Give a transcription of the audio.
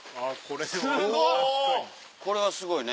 これはすごいね！